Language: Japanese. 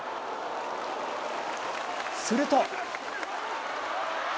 すると。